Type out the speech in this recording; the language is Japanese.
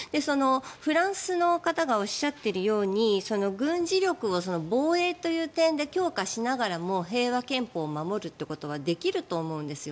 フランスの方がおっしゃっているように軍事力を防衛という点で強化しながらも平和憲法を守るってことはできると思うんですよ。